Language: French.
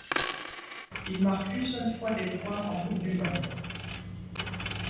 Il marque une seule fois des points en Coupe du monde.